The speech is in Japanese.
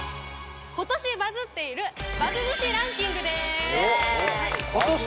今年バズっているバズ寿司ランキングですおっ今年？